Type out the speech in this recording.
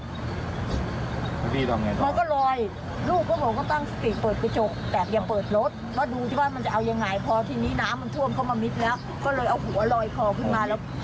รถก็เป็นแนวมันขับไม่อยู่มันลอยไหมครับ